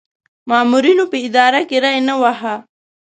مامورینو په اداره کې ری نه واهه.